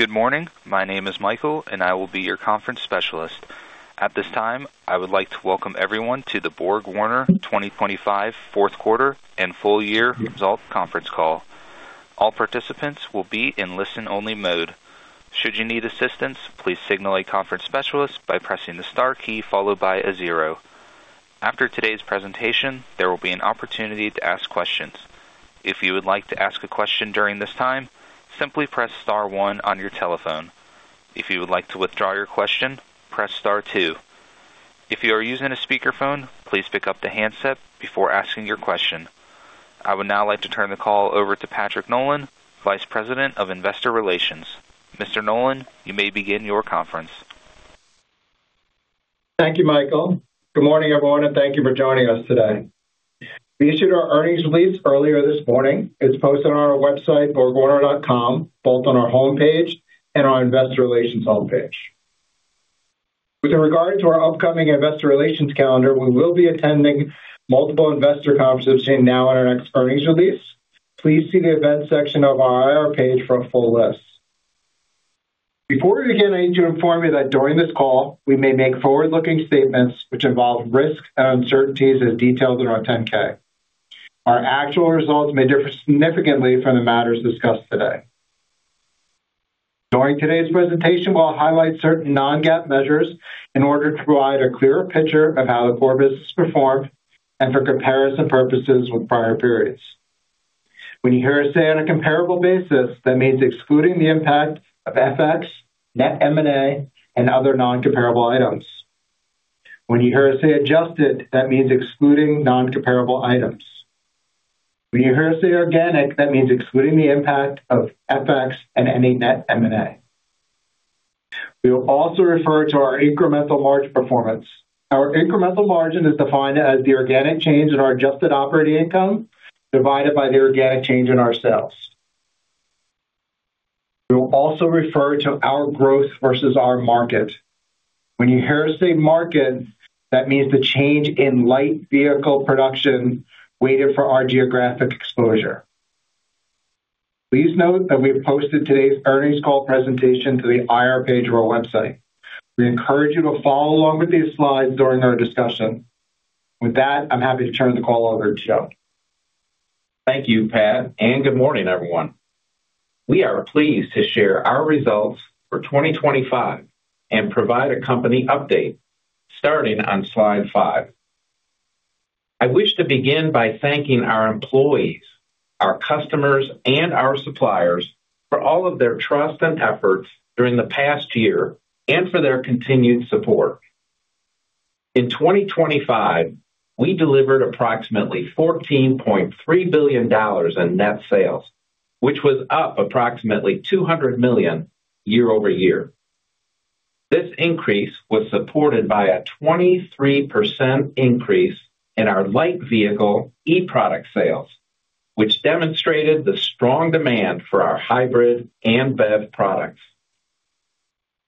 Good morning. My name is Michael, and I will be your conference specialist. At this time, I would like to welcome everyone to the BorgWarner 2025 fourth quarter and full-year results conference call. All participants will be in listen-only mode. Should you need assistance, please signal a conference specialist by pressing the star key followed by zero. After today's presentation, there will be an opportunity to ask questions. If you would like to ask a question during this time, simply press star one on your telephone. If you would like to withdraw your question, press star two. If you are using a speakerphone, please pick up the handset before asking your question. I would now like to turn the call over to Patrick Nolan, Vice President of Investor Relations. Mr. Nolan, you may begin your conference. Thank you, Michael. Good morning, everyone, and thank you for joining us today. We issued our earnings release earlier this morning. It's posted on our website, borgwarner.com, both on our homepage and our Investor Relations homepage. With regard to our upcoming investor relations calendar, we will be attending multiple investor conferences seen now in our next earnings release. Please see the events section of our IR page for a full list. Before we begin, I need to inform you that during this call, we may make forward-looking statements which involve risks and uncertainties as detailed in our 10-K. Our actual results may differ significantly from the matters discussed today. During today's presentation, we'll highlight certain non-GAAP measures in order to provide a clearer picture of how the core business performed and for comparison purposes with prior periods. When you hear us say on a comparable basis, that means excluding the impact of FX, net M&A, and other non-comparable items. When you hear us say adjusted, that means excluding non-comparable items. When you hear us say organic, that means excluding the impact of FX and any net M&A. We will also refer to our incremental margin performance. Our incremental margin is defined as the organic change in our adjusted operating income divided by the organic change in our sales. We will also refer to our growth versus our market. When you hear us say market, that means the change in light vehicle production weighted for our geographic exposure. Please note that we've posted today's earnings call presentation to the IR page of our website. We encourage you to follow along with these slides during our discussion. With that, I'm happy to turn the call over to Joe. Thank you, Pat, and good morning, everyone. We are pleased to share our results for 2025 and provide a company update starting on slide five. I wish to begin by thanking our employees, our customers, and our suppliers for all of their trust and efforts during the past year and for their continued support. In 2025, we delivered approximately $14.3 billion in net sales, which was up approximately $200 million year-over-year. This increase was supported by a 23% increase in our light vehicle e-product sales, which demonstrated the strong demand for our hybrid and BEV products.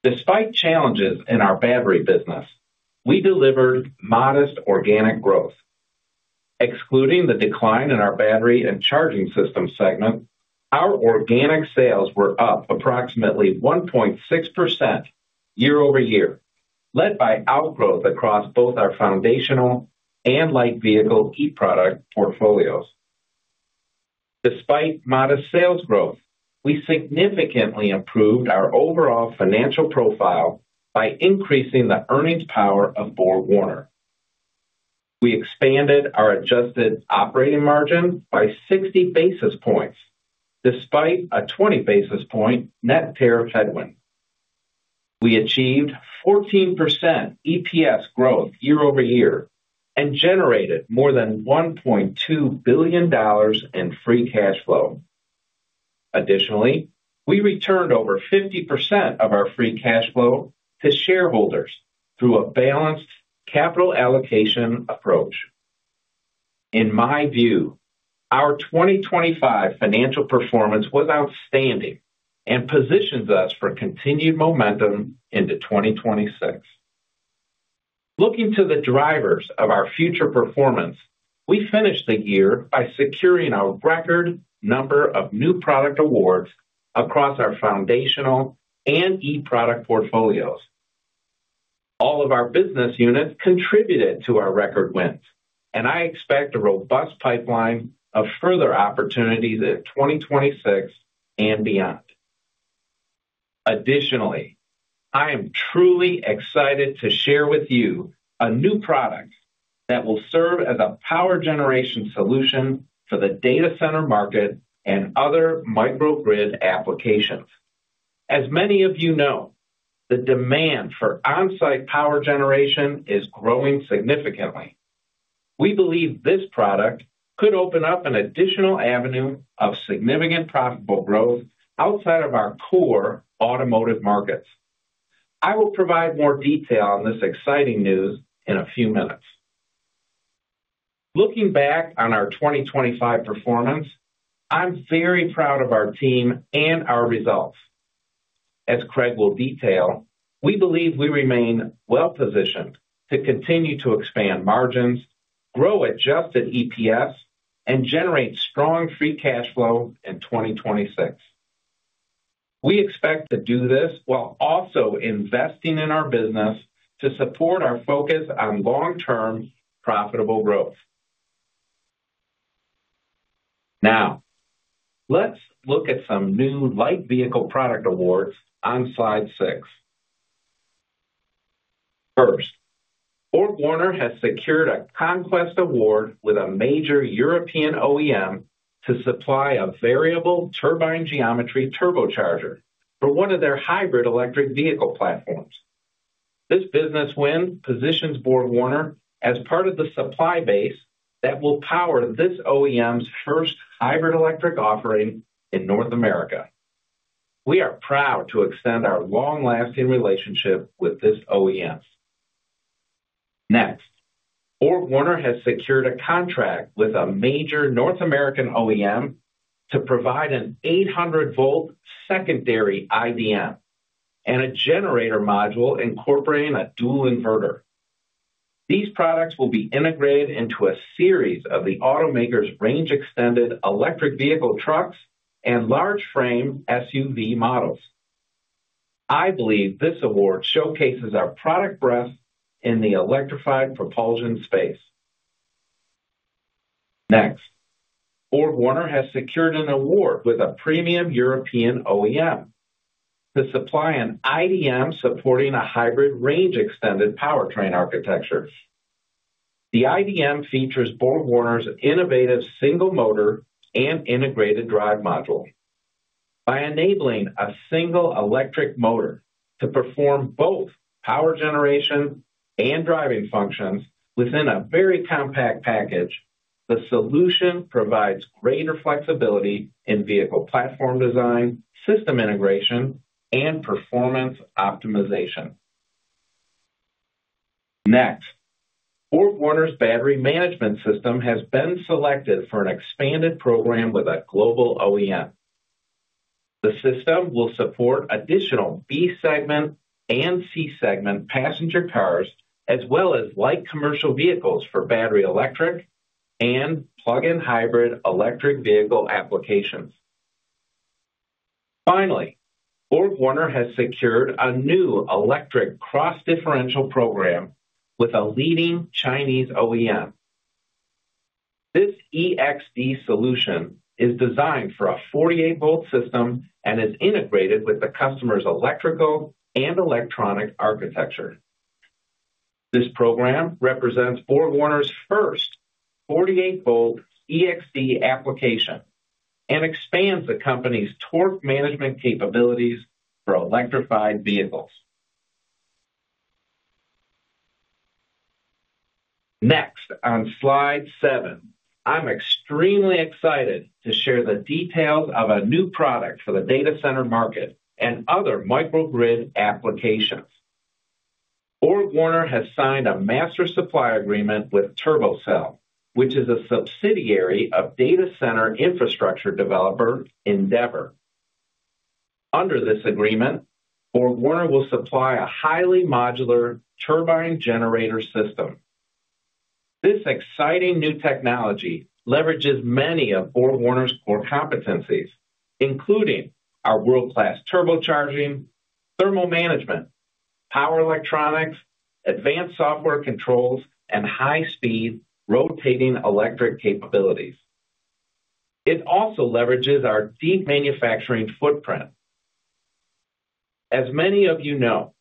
Despite challenges in our battery business, we delivered modest organic growth. Excluding the decline in our battery and charging system segment, our organic sales were up approximately 1.6% year-over-year, led by outgrowth across both our foundational and light vehicle e-product portfolios. Despite modest sales growth, we significantly improved our overall financial profile by increasing the earnings power of BorgWarner. We expanded our adjusted operating margin by 60 basis points despite a 20 basis points net tariff headwind. We achieved 14% EPS growth year over year and generated more than $1.2 billion in free cash flow. Additionally, we returned over 50% of our free cash flow to shareholders through a balanced capital allocation approach. In my view, our 2025 financial performance was outstanding and positions us for continued momentum into 2026. Looking to the drivers of our future performance, we finished the year by securing our record number of new product awards across our foundational and e-product portfolios. All of our business units contributed to our record wins, and I expect a robust pipeline of further opportunities in 2026 and beyond. Additionally, I am truly excited to share with you a new product that will serve as a power generation solution for the data center market and other microgrid applications. As many of you know, the demand for on-site power generation is growing significantly. We believe this product could open up an additional avenue of significant profitable growth outside of our core automotive markets. I will provide more detail on this exciting news in a few minutes. Looking back on our 2025 performance, I'm very proud of our team and our results. As Craig will detail, we believe we remain well-positioned to continue to expand margins, grow adjusted EPS, and generate strong free cash flow in 2026. We expect to do this while also investing in our business to support our focus on long-term profitable growth. Now, let's look at some new light vehicle product awards on slide six. First, BorgWarner has secured a Conquest Award with a major European OEM to supply a Variable Turbine Geometry turbocharger for one of their hybrid electric vehicle platforms. This business win positions BorgWarner as part of the supply base that will power this OEM's first hybrid electric offering in North America. We are proud to extend our long-lasting relationship with this OEM. Next, BorgWarner has secured a contract with a major North American OEM to provide an 800-volt secondary IDM and a Generator Module incorporating a Dual Inverter. These products will be integrated into a series of the automaker's range-extended electric vehicle trucks and large-frame SUV models. I believe this award showcases our product breadth in the electrified propulsion space. Next, BorgWarner has secured an award with a premium European OEM to supply an IDM supporting a hybrid range-extended powertrain architecture. The IDM features BorgWarner's innovative single motor and integrated drive module. By enabling a single electric motor to perform both power generation and driving functions within a very compact package, the solution provides greater flexibility in vehicle platform design, system integration, and performance optimization. Next, BorgWarner's Battery Management System has been selected for an expanded program with a global OEM. The system will support additional B Segment and C Segment passenger cars as well as light commercial vehicles for battery electric and plug-in hybrid electric vehicle applications. Finally, BorgWarner has secured a new Electric Cross-Differential program with a leading Chinese OEM. This EXD solution is designed for a 48-volt system and is integrated with the customer's electrical and electronic architecture. This program represents BorgWarner's first 48-volt EXD application and expands the company's torque management capabilities for electrified vehicles. Next, on slide seven, I'm extremely excited to share the details of a new product for the data center market and other microgrid applications. BorgWarner has signed a master supply agreement with TurboCell, which is a subsidiary of data center infrastructure developer Endeavour. Under this agreement, BorgWarner will supply a highly modular turbine generator system. This exciting new technology leverages many of BorgWarner's core competencies, including our world-class turbocharging, thermal management, power electronics, advanced software controls, and high-speed rotating electric capabilities. It also leverages our deep manufacturing footprint. As many of you know,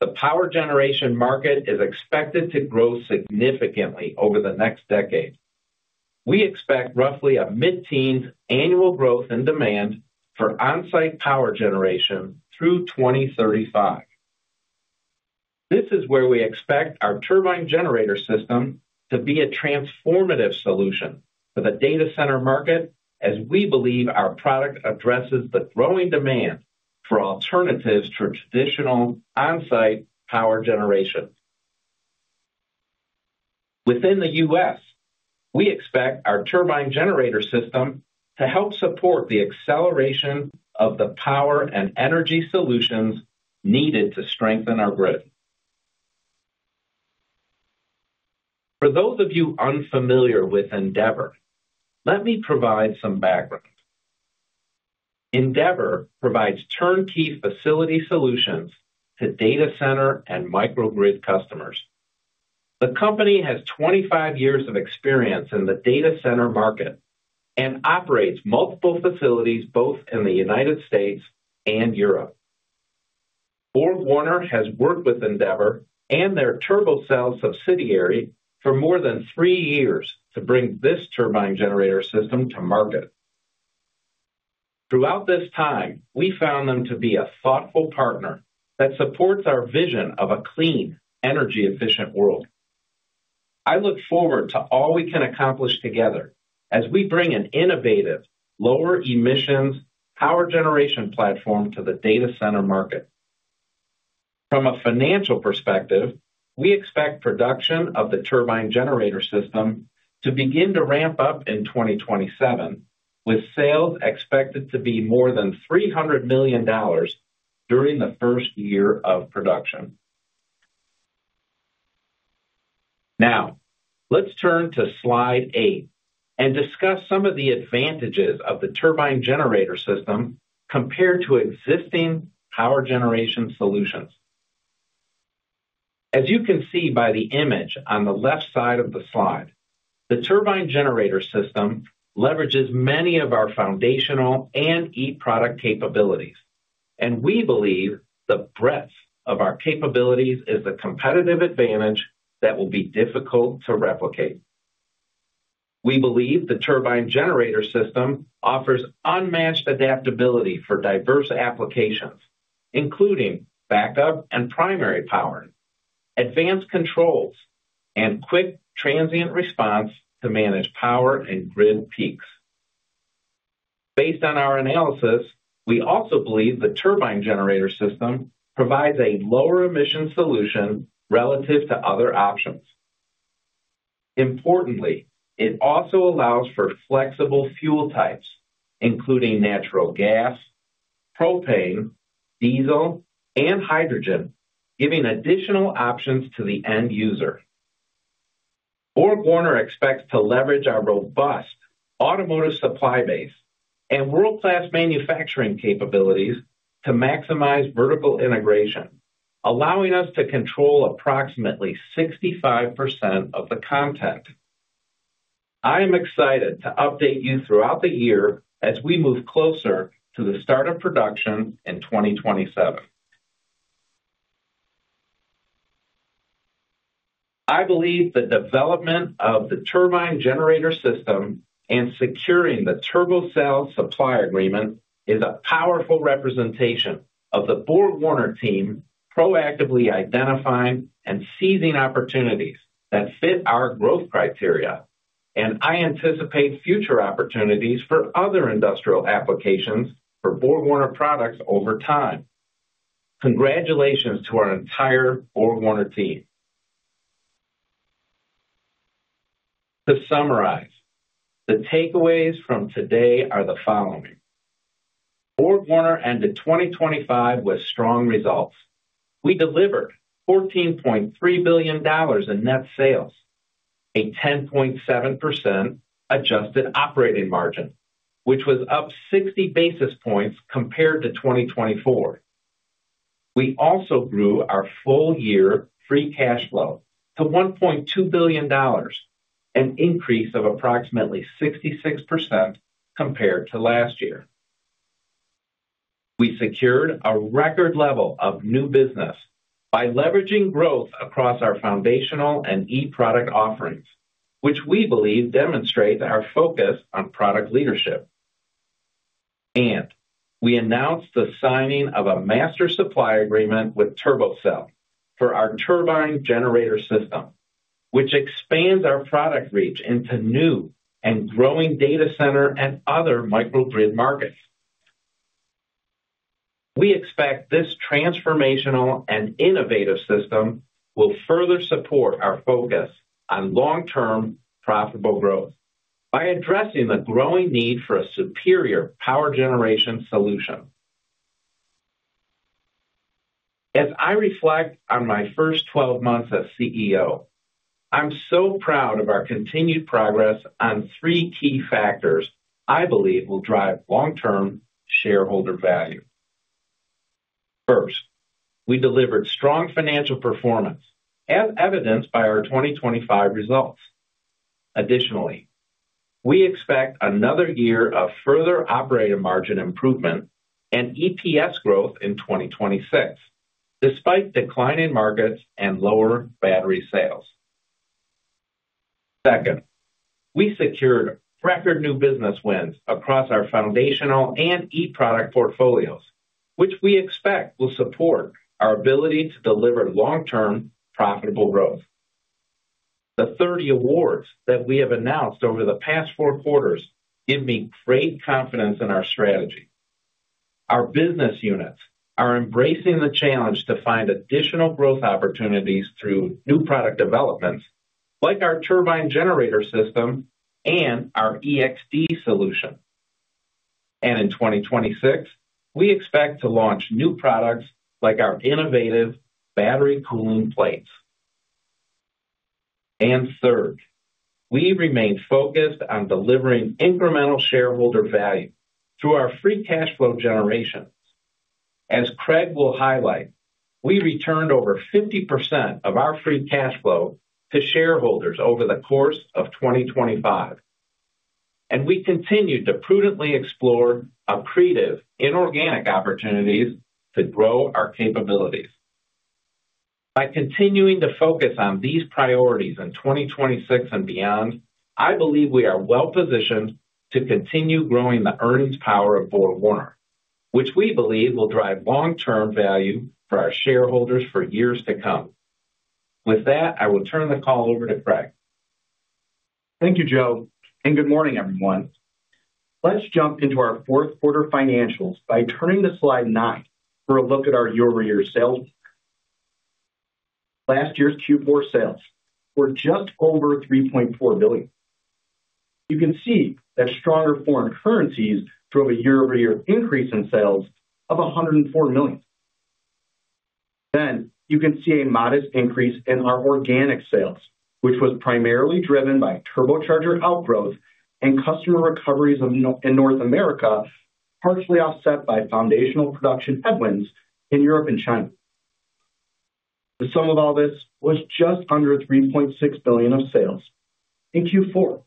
the power generation market is expected to grow significantly over the next decade. We expect roughly a mid-teens annual growth in demand for on-site power generation through 2035. This is where we expect our Turbine Generator System to be a transformative solution for the data center market, as we believe our product addresses the growing demand for alternatives to traditional on-site power generation. Within the U.S., we expect our Turbine Generator System to help support the acceleration of the power and energy solutions needed to strengthen our grid. For those of you unfamiliar with Endeavour, let me provide some background. Endeavour provides turnkey facility solutions to data center and microgrid customers. The company has 25 years of experience in the data center market and operates multiple facilities both in the United States and Europe. BorgWarner has worked with Endeavour and their TurboCell subsidiary for more than three years to bring this Turbine Generator System to market. Throughout this time, we found them to be a thoughtful partner that supports our vision of a clean, energy-efficient world. I look forward to all we can accomplish together as we bring an innovative, lower-emissions power generation platform to the data center market. From a financial perspective, we expect production of the Turbine Generator System to begin to ramp up in 2027, with sales expected to be more than $300 million during the first year of production. Now, let's turn to slide eight and discuss some of the advantages of the Turbine Generator System compared to existing power generation solutions. As you can see by the image on the left side of the slide, the Turbine Generator System leverages many of our Foundational and e-product capabilities, and we believe the breadth of our capabilities is the competitive advantage that will be difficult to replicate. We believe the Turbine Generator System offers unmatched adaptability for diverse applications, including backup and primary power, advanced controls, and quick transient response to manage power and grid peaks. Based on our analysis, we also believe the Turbine Generator System provides a lower-emission solution relative to other options. Importantly, it also allows for flexible fuel types, including natural gas, propane, diesel, and hydrogen, giving additional options to the end user. BorgWarner expects to leverage our robust automotive supply base and world-class manufacturing capabilities to maximize vertical integration, allowing us to control approximately 65% of the content. I am excited to update you throughout the year as we move closer to the start of production in 2027. I believe the development of the turbine generator system and securing the TurboCell supply agreement is a powerful representation of the BorgWarner team proactively identifying and seizing opportunities that fit our growth criteria, and I anticipate future opportunities for other industrial applications for BorgWarner products over time. Congratulations to our entire BorgWarner team. To summarize, the takeaways from today are the following: BorgWarner ended 2025 with strong results. We delivered $14.3 billion in net sales, a 10.7% adjusted operating margin, which was up 60 basis points compared to 2024. We also grew our full-year free cash flow to $1.2 billion, an increase of approximately 66% compared to last year. We secured a record level of new business by leveraging growth across our foundational and e-product offerings, which we believe demonstrate our focus on product leadership. We announced the signing of a Master Supply Agreement with TurboCell for our Turbine Generator System, which expands our product reach into new and growing data center and other microgrid markets. We expect this transformational and innovative system will further support our focus on long-term profitable growth by addressing the growing need for a superior power generation solution. As I reflect on my first 12 months as CEO, I'm so proud of our continued progress on three key factors I believe will drive long-term shareholder value. First, we delivered strong financial performance, as evidenced by our 2025 results. Additionally, we expect another year of further operating margin improvement and EPS growth in 2026, despite decline in markets and lower battery sales. Second, we secured record new business wins across our foundational and e-product portfolios, which we expect will support our ability to deliver long-term profitable growth. The 30 awards that we have announced over the past four quarters give me great confidence in our strategy. Our business units are embracing the challenge to find additional growth opportunities through new product developments like our turbine generator system and our EXD solution. In 2026, we expect to launch new products like our innovative battery cooling plates. Third, we remain focused on delivering incremental shareholder value through our free cash flow generations. As Craig will highlight, we returned over 50% of our free cash flow to shareholders over the course of 2025, and we continue to prudently explore accretive inorganic opportunities to grow our capabilities. By continuing to focus on these priorities in 2026 and beyond, I believe we are well-positioned to continue growing the earnings power of BorgWarner, which we believe will drive long-term value for our shareholders for years to come. With that, I will turn the call over to Craig. Thank you, Joe, and good morning, everyone. Let's jump into our fourth quarter financials by turning to slide nine for a look at our year-over-year sales. Last year's Q4 sales were just over $3.4 billion. You can see that stronger foreign currencies drove a year-over-year increase in sales of $104 million. Then, you can see a modest increase in our organic sales, which was primarily driven by turbocharger outgrowth and customer recoveries in North America, partially offset by foundational production headwinds in Europe and China. The sum of all this was just under $3.6 billion of sales in Q4.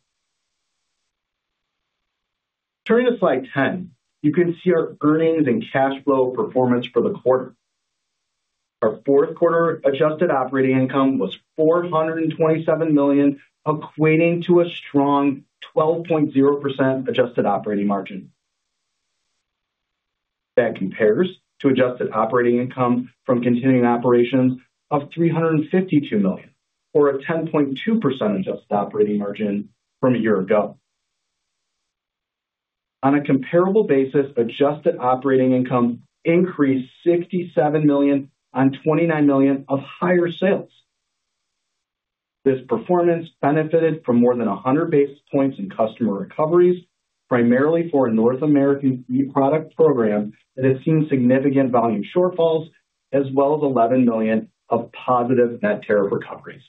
Turning to slide 10, you can see our earnings and cash flow performance for the quarter. Our fourth quarter adjusted operating income was $427 million, equating to a strong 12.0% adjusted operating margin. That compares to adjusted operating income from continuing operations of $352 million, or a 10.2% adjusted operating margin from a year ago. On a comparable basis, adjusted operating income increased $67 million on $29 million of higher sales. This performance benefited from more than 100 basis points in customer recoveries, primarily for a North American e-product program that had seen significant volume shortfalls, as well as $11 million of positive net tariff recoveries.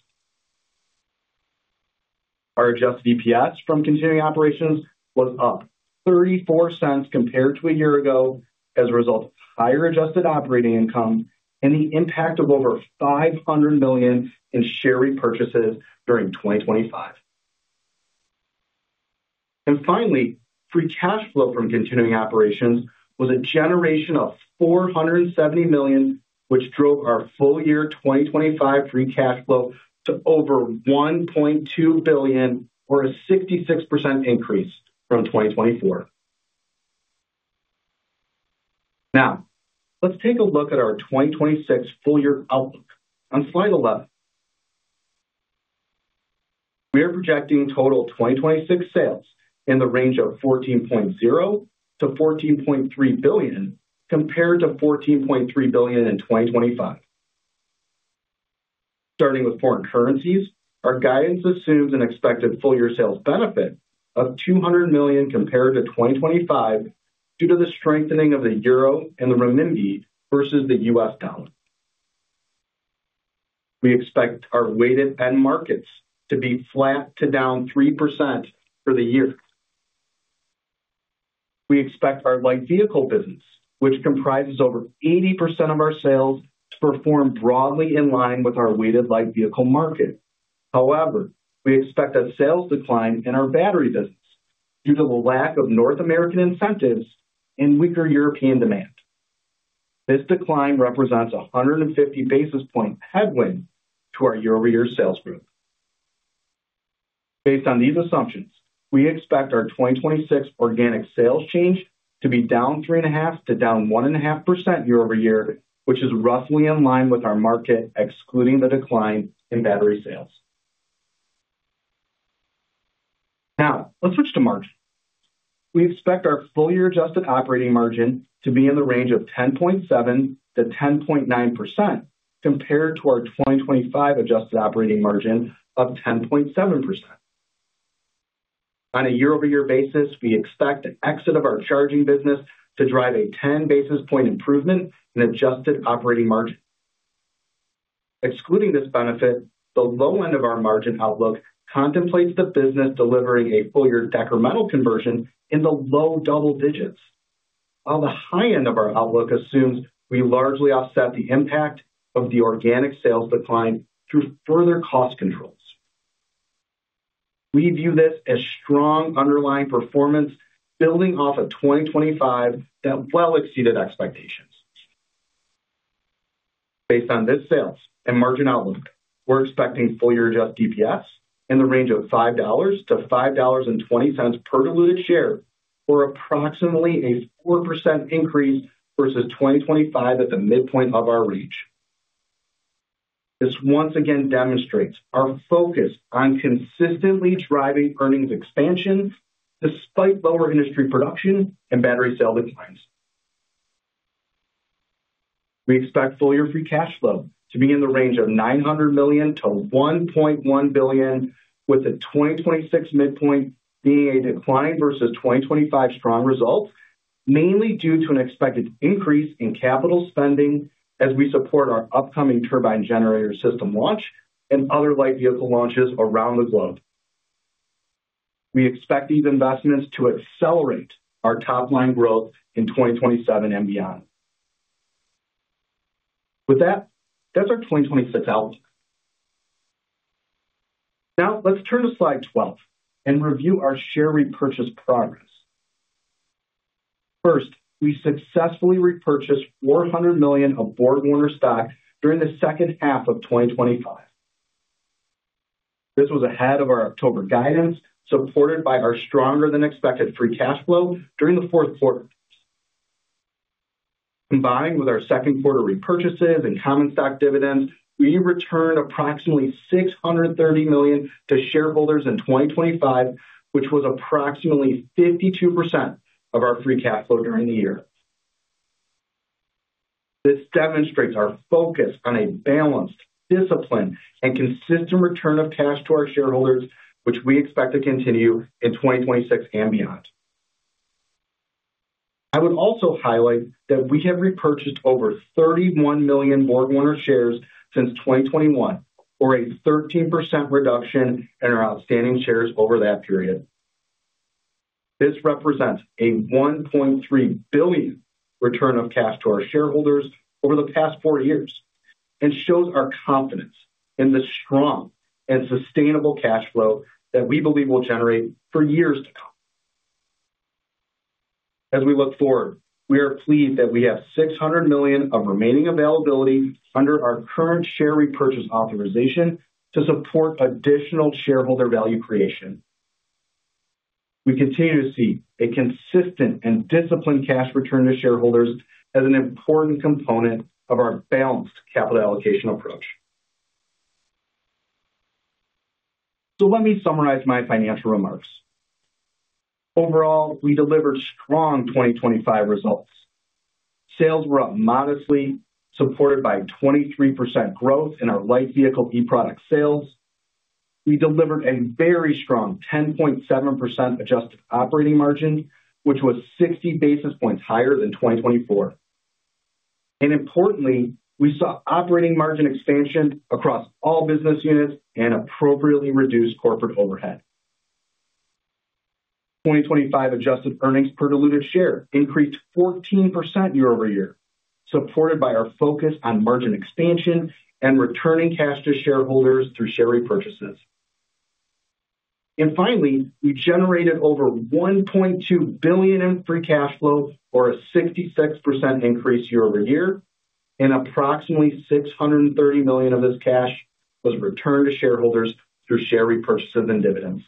Our adjusted EPS from continuing operations was up $0.34 compared to a year ago as a result of higher adjusted operating income and the impact of over $500 million in share repurchases during 2025. Finally, free cash flow from continuing operations was a generation of $470 million, which drove our full-year 2025 free cash flow to over $1.2 billion, or a 66% increase from 2024. Now, let's take a look at our 2026 full-year outlook on slide 11. We are projecting total 2026 sales in the range of $14.0-$14.3 billion compared to $14.3 billion in 2025. Starting with foreign currencies, our guidance assumes an expected full-year sales benefit of $200 million compared to 2025 due to the strengthening of the euro and the renminbi versus the US dollar. We expect our weighted end markets to be flat to down 3% for the year. We expect our light vehicle business, which comprises over 80% of our sales, to perform broadly in line with our weighted light vehicle market. However, we expect a sales decline in our battery business due to the lack of North American incentives and weaker European demand. This decline represents a 150 basis point headwind to our year-over-year sales growth. Based on these assumptions, we expect our 2026 organic sales change to be down 3.5%-1.5% year-over-year, which is roughly in line with our market excluding the decline in battery sales. Now, let's switch to margin. We expect our full-year adjusted operating margin to be in the range of 10.7%-10.9% compared to our 2025 adjusted operating margin of 10.7%. On a year-over-year basis, we expect the exit of our charging business to drive a 10 basis point improvement in adjusted operating margin. Excluding this benefit, the low end of our margin outlook contemplates the business delivering a full-year decremental conversion in the low double digits, while the high end of our outlook assumes we largely offset the impact of the organic sales decline through further cost controls. We view this as strong underlying performance building off a 2025 that well exceeded expectations. Based on this sales and margin outlook, we're expecting full-year adjusted EPS in the range of $5-$5.20 per diluted share, or approximately a 4% increase versus 2025 at the midpoint of our range. This once again demonstrates our focus on consistently driving earnings expansion despite lower industry production and battery sale declines. We expect full-year free cash flow to be in the range of $900 million-$1.1 billion, with the 2026 midpoint being a decline versus 2025 strong results, mainly due to an expected increase in capital spending as we support our upcoming turbine generator system launch and other light vehicle launches around the globe. We expect these investments to accelerate our top-line growth in 2027 and beyond. With that, that's our 2026 outlook. Now, let's turn to slide 12 and review our share repurchase progress. First, we successfully repurchased $400 million of BorgWarner stock during the second half of 2025. This was ahead of our October guidance, supported by our stronger-than-expected free cash flow during the fourth quarter. Combining with our second quarter repurchases and common stock dividends, we returned approximately $630 million to shareholders in 2025, which was approximately 52% of our free cash flow during the year. This demonstrates our focus on a balanced, disciplined, and consistent return of cash to our shareholders, which we expect to continue in 2026 and beyond. I would also highlight that we have repurchased over 31 million BorgWarner shares since 2021, or a 13% reduction in our outstanding shares over that period. This represents a $1.3 billion return of cash to our shareholders over the past four years and shows our confidence in the strong and sustainable cash flow that we believe will generate for years to come. As we look forward, we are pleased that we have $600 million of remaining availability under our current share repurchase authorization to support additional shareholder value creation. We continue to see a consistent and disciplined cash return to shareholders as an important component of our balanced capital allocation approach. So let me summarize my financial remarks. Overall, we delivered strong 2025 results. Sales were up modestly, supported by 23% growth in our light vehicle e-product sales. We delivered a very strong 10.7% adjusted operating margin, which was 60 basis points higher than 2024. And importantly, we saw operating margin expansion across all business units and appropriately reduced corporate overhead. 2025 adjusted earnings per diluted share increased 14% year-over-year, supported by our focus on margin expansion and returning cash to shareholders through share repurchases. Finally, we generated over $1.2 billion in free cash flow, or a 66% increase year-over-year, and approximately $630 million of this cash was returned to shareholders through share repurchases and dividends.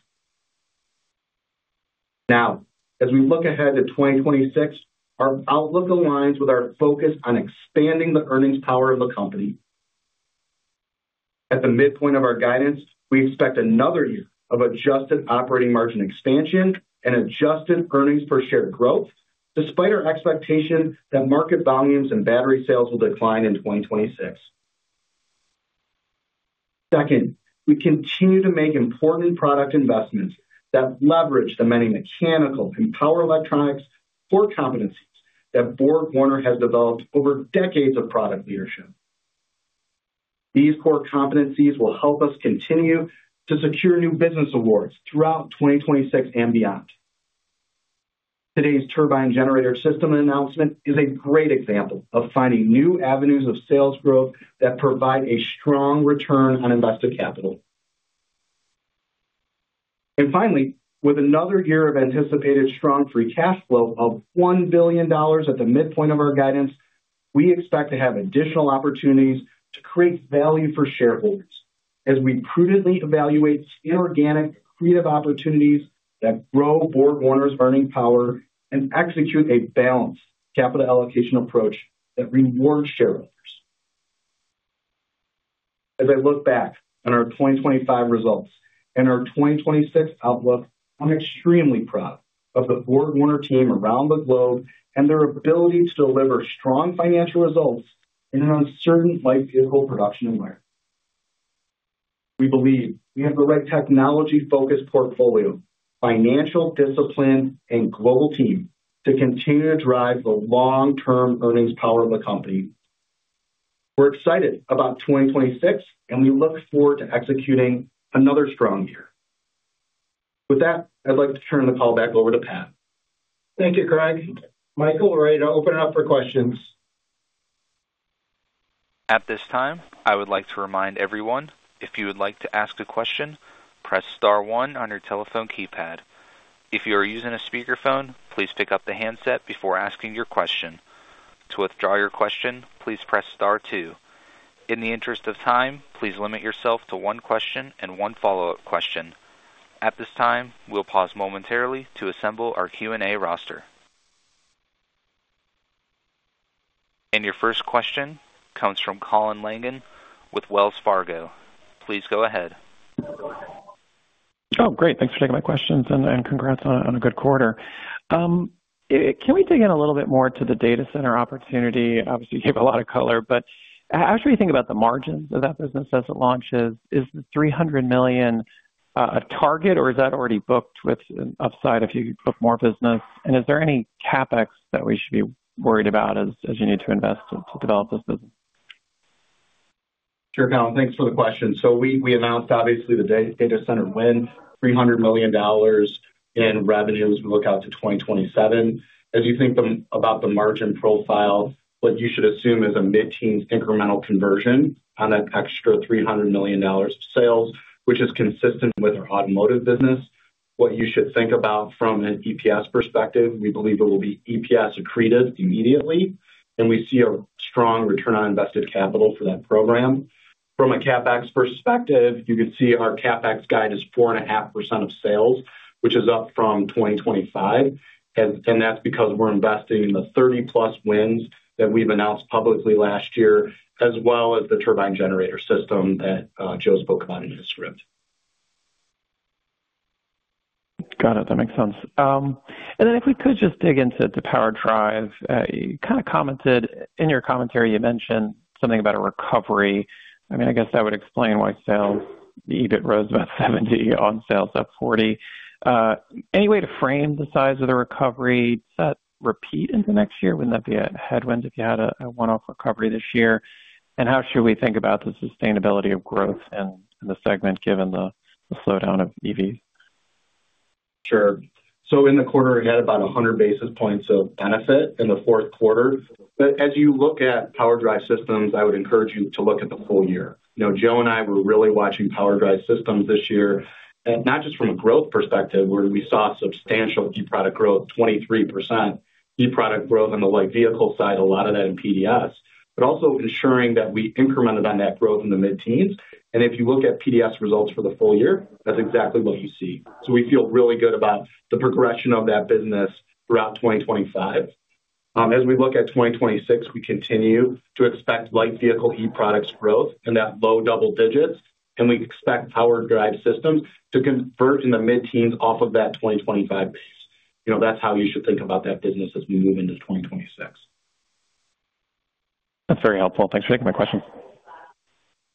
Now, as we look ahead to 2026, our outlook aligns with our focus on expanding the earnings power of the company. At the midpoint of our guidance, we expect another year of adjusted operating margin expansion and adjusted earnings per share growth, despite our expectation that market volumes and battery sales will decline in 2026. Second, we continue to make important product investments that leverage the many mechanical and power electronics core competencies that BorgWarner has developed over decades of product leadership. These core competencies will help us continue to secure new business awards throughout 2026 and beyond. Today's turbine generator system announcement is a great example of finding new avenues of sales growth that provide a strong return on invested capital. Finally, with another year of anticipated strong free cash flow of $1 billion at the midpoint of our guidance, we expect to have additional opportunities to create value for shareholders as we prudently evaluate inorganic accretive opportunities that grow BorgWarner's earning power and execute a balanced capital allocation approach that rewards shareholders. As I look back on our 2025 results and our 2026 outlook, I'm extremely proud of the BorgWarner team around the globe and their ability to deliver strong financial results in an uncertain light vehicle production environment. We believe we have the right technology-focused portfolio, financial discipline, and global team to continue to drive the long-term earnings power of the company. We're excited about 2026, and we look forward to executing another strong year. With that, I'd like to turn the call back over to Pat. Thank you, Craig. Michael, we're ready to open it up for questions. At this time, I would like to remind everyone, if you would like to ask a question, press star one on your telephone keypad. If you are using a speakerphone, please pick up the handset before asking your question. To withdraw your question, please press star two. In the interest of time, please limit yourself to one question and one follow-up question. At this time, we'll pause momentarily to assemble our Q&A roster. And your first question comes from Colin Langan with Wells Fargo. Please go ahead. Oh, great. Thanks for taking my questions, and congrats on a good quarter. Can we dig in a little bit more to the data center opportunity? Obviously, you gave a lot of color. But how should we think about the margins of that business as it launches? Is the $300 million a target, or is that already booked with upside if you book more business? And is there any CapEx that we should be worried about as you need to invest to develop this business? Sure, Colin. Thanks for the question. So we announced, obviously, the data center win, $300 million in revenues. We look out to 2027. As you think about the margin profile, what you should assume is a mid-teens incremental conversion on that extra $300 million of sales, which is consistent with our automotive business. What you should think about from an EPS perspective, we believe it will be EPS accreted immediately, and we see a strong return on invested capital for that program. From a CapEx perspective, you could see our CapEx guide is 4.5% of sales, which is up from 2025. That's because we're investing in the 30+ wins that we've announced publicly last year, as well as the turbine generator system that Joe spoke about in his script. Got it. That makes sense. Then if we could just dig into the PowerDrive, you kind of commented in your commentary, you mentioned something about a recovery. I mean, I guess that would explain why sales, the EBIT rose about 70, on sales up 40. Any way to frame the size of the recovery? Does that repeat into next year? Wouldn't that be a headwind if you had a one-off recovery this year? And how should we think about the sustainability of growth in the segment given the slowdown of EVs? Sure. So in the quarter, we had about 100 basis points of benefit in the fourth quarter. But as you look at PowerDrive Systems, I would encourage you to look at the full year. Joe and I were really watching PowerDrive Systems this year, not just from a growth perspective, where we saw substantial e-product growth, 23% e-product growth on the light vehicle side, a lot of that in PDS, but also ensuring that we incremented on that growth in the mid-teens. And if you look at PDS results for the full year, that's exactly what you see. So we feel really good about the progression of that business throughout 2025. As we look at 2026, we continue to expect light vehicle e-products growth in that low double digits, and we expect power drive systems to convert in the mid-teens off of that 2025 base. That's how you should think about that business as we move into 2026. That's very helpful. Thanks for taking my question.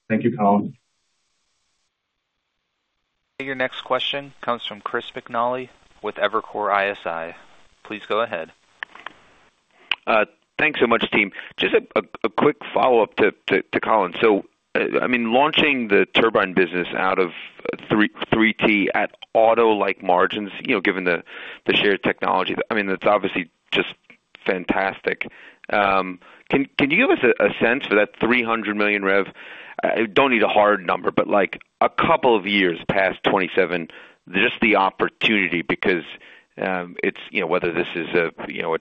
Thank you, Colin. Your next question comes from Chris McNally with Evercore ISI. Please go ahead. Thanks so much, team. Just a quick follow-up to Colin. So I mean, launching the turbine business out of 3T at auto-like margins, given the shared technology, I mean, that's obviously just fantastic. Can you give us a sense for that $300 million rev? I don't need a hard number, but a couple of years past 2027, just the opportunity because it's whether this is a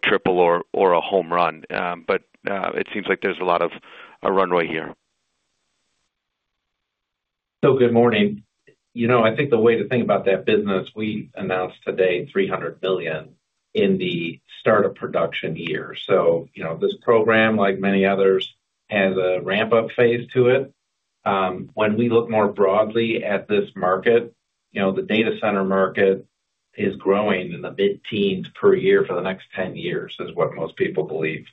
triple or a home run, but it seems like there's a lot of a runway here. Good morning. I think the way to think about that business. We announced today $300 million in the startup production year. So this program, like many others, has a ramp-up phase to it. When we look more broadly at this market, the data center market is growing in the mid-teens per year for the next 10 years is what most people believe.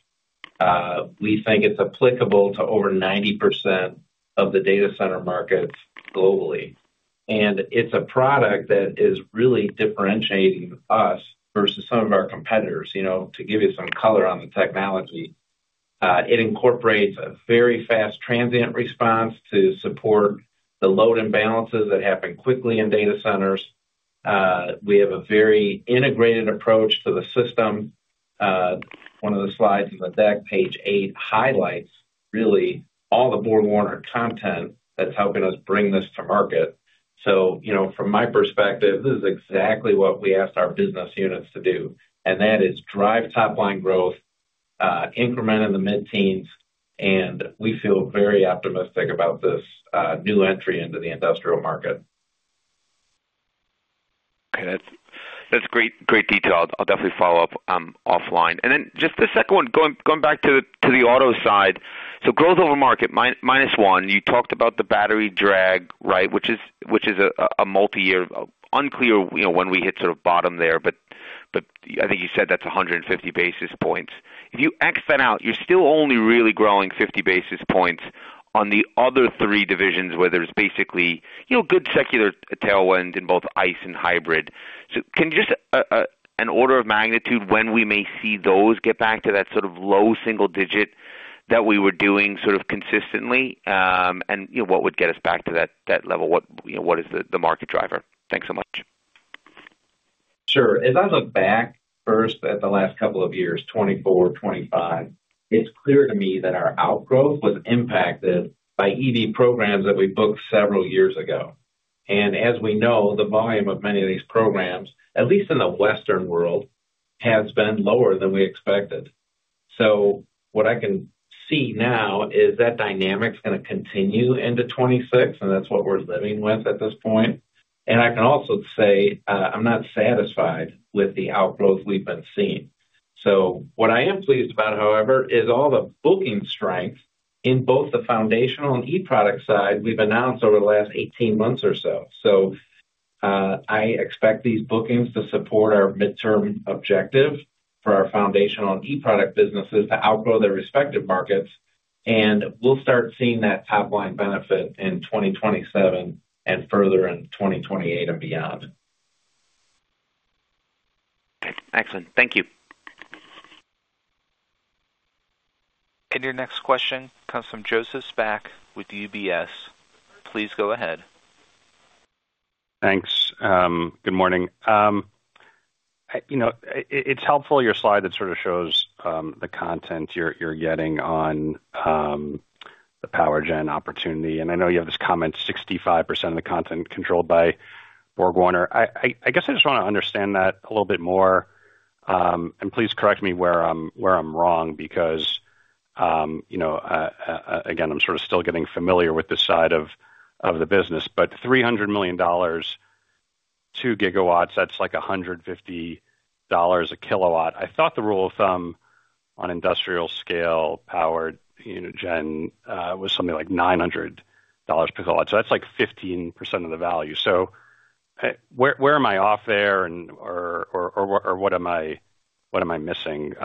We think it's applicable to over 90% of the data center markets globally. And it's a product that is really differentiating us versus some of our competitors. To give you some color on the technology, it incorporates a very fast transient response to support the load imbalances that happen quickly in data centers. We have a very integrated approach to the system. One of the slides on the deck, page 8, highlights really all the BorgWarner content that's helping us bring this to market. So from my perspective, this is exactly what we asked our business units to do. And that is drive top-line growth, increment in the mid-teens, and we feel very optimistic about this new entry into the industrial market. Okay. That's great detail. I'll definitely follow up offline. And then just the second one, going back to the auto side. So growth over market, minus 1. You talked about the battery drag, right, which is a multi-year unclear when we hit sort of bottom there, but I think you said that's 150 basis points. If you X that out, you're still only really growing 50 basis points on the other three divisions, where there's basically good secular tailwind in both ICE and hybrid. So can you just, in order of magnitude, when we may see those get back to that sort of low single digit that we were doing sort of consistently, and what would get us back to that level? What is the market driver? Thanks so much. Sure. As I look back first at the last couple of years, 2024, 2025, it's clear to me that our outgrowth was impacted by EV programs that we booked several years ago. And as we know, the volume of many of these programs, at least in the Western world, has been lower than we expected. So what I can see now is that dynamic's going to continue into 2026, and that's what we're living with at this point. And I can also say I'm not satisfied with the outgrowth we've been seeing. So what I am pleased about, however, is all the booking strength in both the foundational and e-product side we've announced over the last 18 months or so. So I expect these bookings to support our midterm objective for our foundational and e-product businesses to outgrow their respective markets. And we'll start seeing that top-line benefit in 2027 and further in 2028 and beyond. Okay. Excellent. Thank you. And your next question comes from Joseph Spak with UBS. Please go ahead. Thanks. Good morning. It's helpful, your slide that sort of shows the content you're getting on the power gen opportunity. I know you have this comment, "65% of the content controlled by BorgWarner." I guess I just want to understand that a little bit more. Please correct me where I'm wrong because, again, I'm sort of still getting familiar with this side of the business. $300 million, 2 gigawatts, that's like $150 a kilowatt. I thought the rule of thumb on industrial-scale power gen was something like $900 per kilowatt. So that's like 15% of the value. So where am I off there, or what am I missing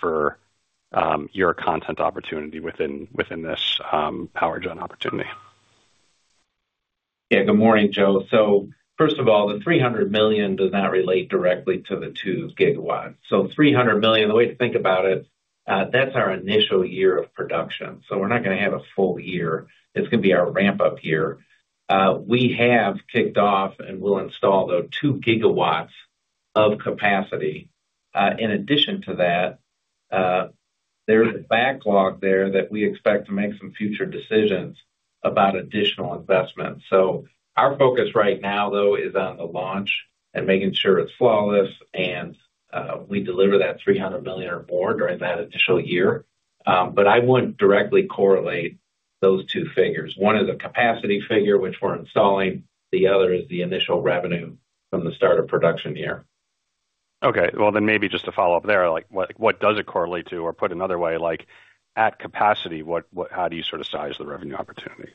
for your content opportunity within this power gen opportunity? Yeah. Good morning, Joe. So first of all, the $300 million does not relate directly to the 2 gigawatts. So $300 million, the way to think about it, that's our initial year of production. So we're not going to have a full year. It's going to be our ramp-up year. We have kicked off and will install, though, 2 GW of capacity. In addition to that, there's a backlog there that we expect to make some future decisions about additional investments. So our focus right now, though, is on the launch and making sure it's flawless and we deliver that $300 million or more during that initial year. But I wouldn't directly correlate those two figures. One is a capacity figure, which we're installing. The other is the initial revenue from the start of production year. Okay. Well, then maybe just to follow up there, what does it correlate to? Or put another way, at capacity, how do you sort of size the revenue opportunity?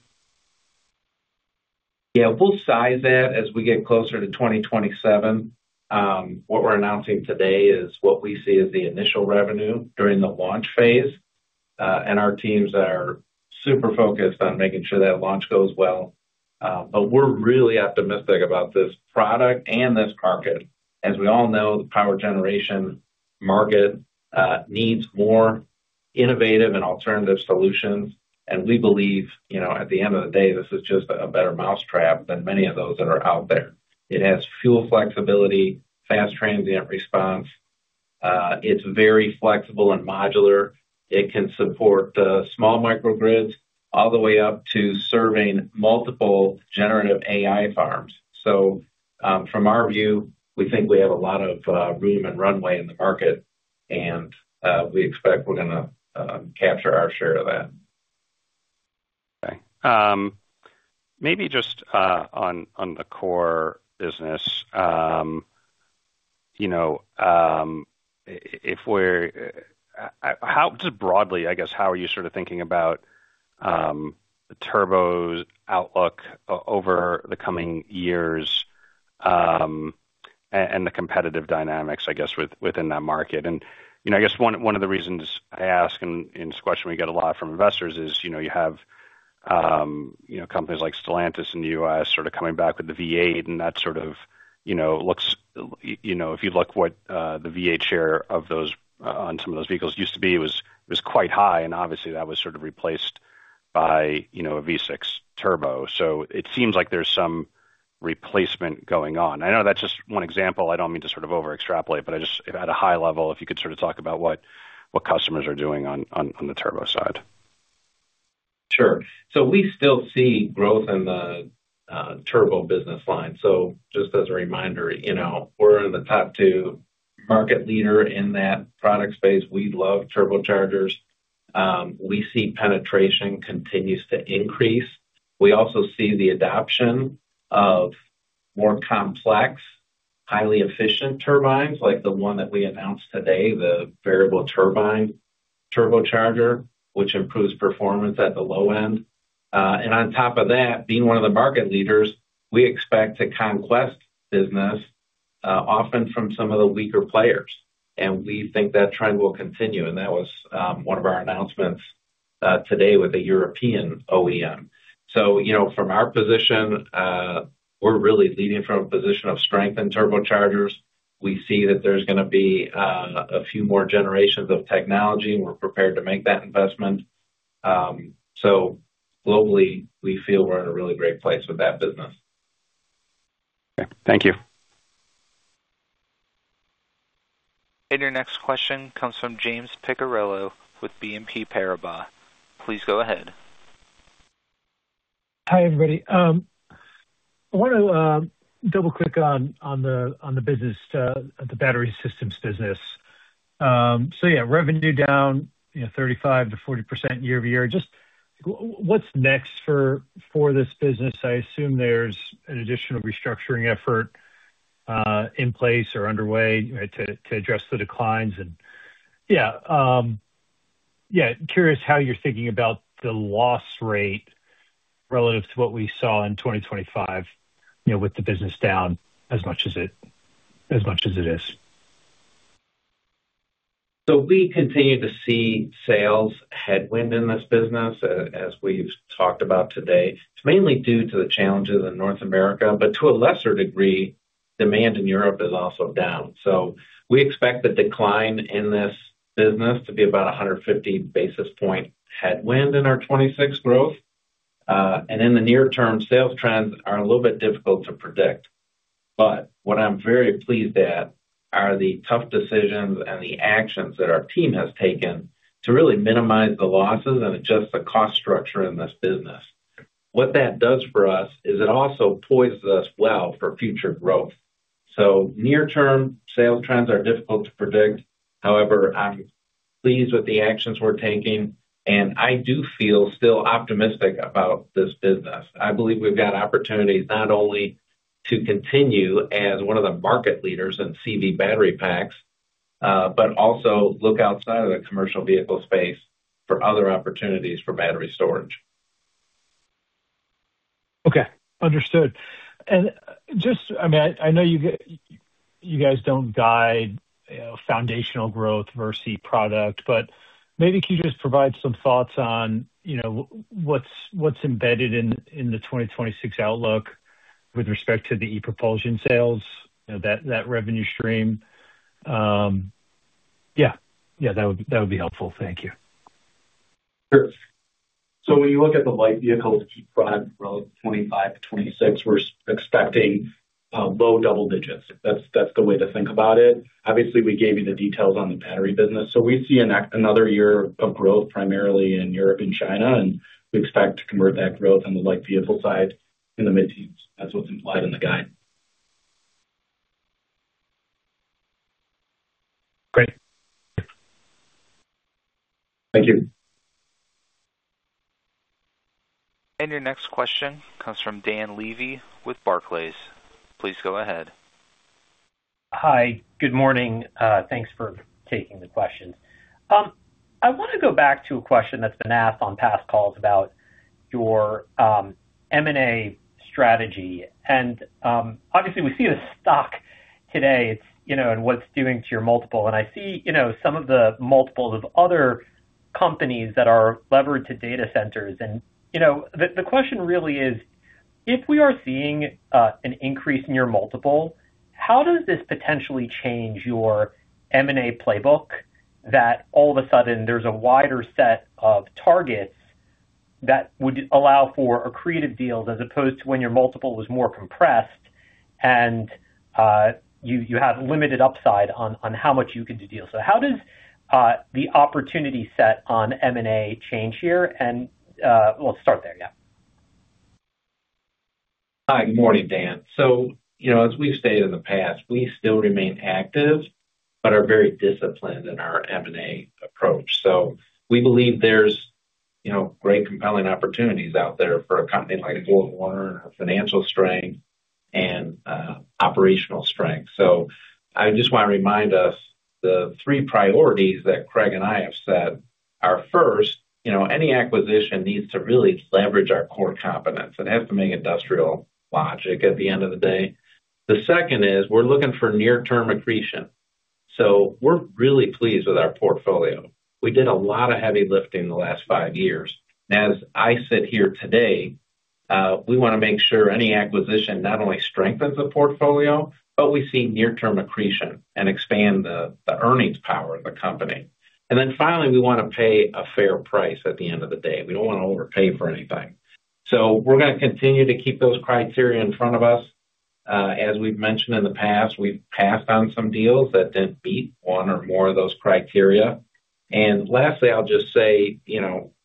Yeah. We'll size that as we get closer to 2027. What we're announcing today is what we see as the initial revenue during the launch phase. Our teams are super focused on making sure that launch goes well. But we're really optimistic about this product and this market. As we all know, the power generation market needs more innovative and alternative solutions. And we believe, at the end of the day, this is just a better mousetrap than many of those that are out there. It has fuel flexibility, fast transient response. It's very flexible and modular. It can support small microgrids all the way up to serving multiple Generative AI farms. So from our view, we think we have a lot of room and runway in the market, and we expect we're going to capture our share of that. Okay. Maybe just on the core business, if we're just broadly, I guess, how are you sort of thinking about the turbos' outlook over the coming years and the competitive dynamics, I guess, within that market? And I guess one of the reasons I ask in this question, we get a lot from investors, is you have companies like Stellantis in the U.S. sort of coming back with the V8, and that sort of looks if you look what the V8 share of those on some of those vehicles used to be, it was quite high. And obviously, that was sort of replaced by a V6 turbo. So it seems like there's some replacement going on. I know that's just one example. I don't mean to sort of overextrapolate, but just at a high level, if you could sort of talk about what customers are doing on the turbo side. Sure. So we still see growth in the turbo business line. Just as a reminder, we're in the top two market leader in that product space. We love turbochargers. We see penetration continues to increase. We also see the adoption of more complex, highly efficient turbines, like the one that we announced today, the variable turbine turbocharger, which improves performance at the low end. On top of that, being one of the market leaders, we expect to conquest business often from some of the weaker players. We think that trend will continue. That was one of our announcements today with a European OEM. From our position, we're really leading from a position of strength in turbochargers. We see that there's going to be a few more generations of technology, and we're prepared to make that investment. So globally, we feel we're in a really great place with that business. Okay. Thank you. And your next question comes from James Picariello with BNP Paribas. Please go ahead. Hi, everybody. I want to double-click on the business, the battery systems business. So yeah, revenue down 35%-40% year-over-year. Just what's next for this business? I assume there's an additional restructuring effort in place or underway to address the declines. And yeah, yeah, curious how you're thinking about the loss rate relative to what we saw in 2025 with the business down as much as it is. So we continue to see sales headwind in this business, as we've talked about today. It's mainly due to the challenges in North America, but to a lesser degree, demand in Europe is also down. We expect the decline in this business to be about 150 basis point headwind in our 2026 growth. In the near term, sales trends are a little bit difficult to predict. What I'm very pleased at are the tough decisions and the actions that our team has taken to really minimize the losses and adjust the cost structure in this business. What that does for us is it also poises us well for future growth. Near-term, sales trends are difficult to predict. However, I'm pleased with the actions we're taking, and I do feel still optimistic about this business. I believe we've got opportunities not only to continue as one of the market leaders in CV battery packs, but also look outside of the commercial vehicle space for other opportunities for battery storage. Okay. Understood. Just, I mean, I know you guys don't guide foundational growth versus product, but maybe can you just provide some thoughts on what's embedded in the 2026 outlook with respect to the e-propulsion sales, that revenue stream? Yeah. Yeah. That would be helpful. Thank you. Sure. So when you look at the light vehicles e-product growth 2025 to 2026, we're expecting low double digits. That's the way to think about it. Obviously, we gave you the details on the battery business. So we see another year of growth primarily in Europe and China, and we expect to convert that growth on the light vehicle side in the mid-teens. That's what's implied in the guide. Great. Thank you. And your next question comes from Dan Levy with Barclays. Please go ahead. Hi. Good morning. Thanks for taking the questions. I want to go back to a question that's been asked on past calls about your M&A strategy. Obviously, we see the stock today and what it's doing to your multiple. I see some of the multiples of other companies that are leveraged to data centers. The question really is, if we are seeing an increase in your multiple, how does this potentially change your M&A playbook that all of a sudden, there's a wider set of targets that would allow for a creative deal as opposed to when your multiple was more compressed and you have limited upside on how much you could do deals? How does the opportunity set on M&A change here? We'll start there. Yeah. Hi. Good morning, Dan. As we've stated in the past, we still remain active but are very disciplined in our M&A approach. So we believe there's great, compelling opportunities out there for a company like BorgWarner and financial strength and operational strength. So I just want to remind us, the three priorities that Craig and I have set are first, any acquisition needs to really leverage our core competence. It has to make industrial logic at the end of the day. The second is we're looking for near-term accretion. So we're really pleased with our portfolio. We did a lot of heavy lifting the last five years. And as I sit here today, we want to make sure any acquisition not only strengthens the portfolio, but we see near-term accretion and expand the earnings power of the company. And then finally, we want to pay a fair price at the end of the day. We don't want to overpay for anything. So we're going to continue to keep those criteria in front of us. As we've mentioned in the past, we've passed on some deals that didn't meet one or more of those criteria. And lastly, I'll just say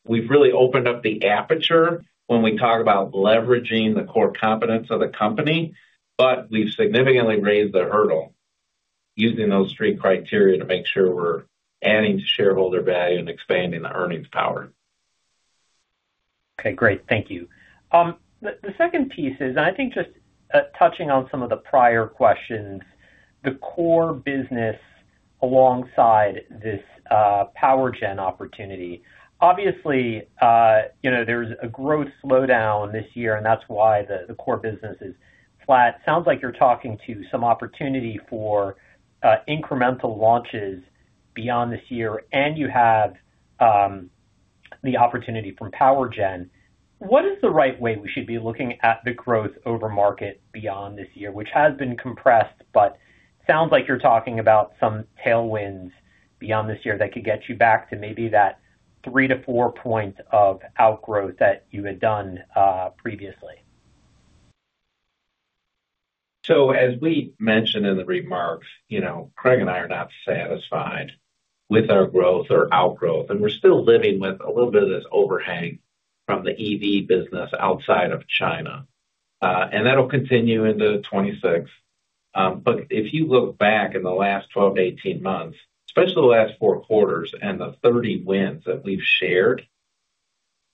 we've really opened up the aperture. When we talk about leveraging the core competence of the company, but we've significantly raised the hurdle using those three criteria to make sure we're adding to shareholder value and expanding the earnings power. Okay. Great. Thank you. The second piece is, and I think just touching on some of the prior questions, the core business alongside this power gen opportunity, obviously, there's a growth slowdown this year, and that's why the core business is flat. Sounds like you're talking to some opportunity for incremental launches beyond this year, and you have the opportunity from power gen. What is the right way we should be looking at the growth over market beyond this year, which has been compressed, but sounds like you're talking about some tailwinds beyond this year that could get you back to maybe that 3-4 point of outgrowth that you had done previously? So as we mentioned in the remarks, Craig and I are not satisfied with our growth or outgrowth. And we're still living with a little bit of this overhang from the EV business outside of China. And that'll continue into 2026. But if you look back in the last 12-18 months, especially the last four quarters and the 30 wins that we've shared,